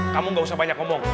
kamu gak usah banyak ngomong